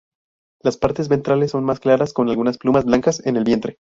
Las partes ventrales son más claras, con algunas plumas blancas en el vientre.